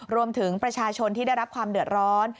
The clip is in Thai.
รวมถึงประชาชนที่ได้รับความเดือดร้อน